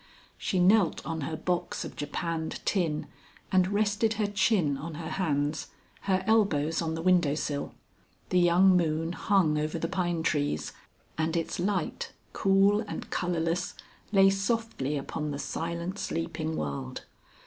She knelt on her box of japanned tin, and rested her chin on her hands, her elbows on the window sill. The young moon hung over the pine trees, and its light, cool and colourless, lay softly upon the silent sleeping world.